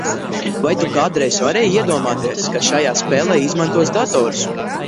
Vai tu kādreiz varēji iedomāties, ka šajā spēlē izmantos datorus?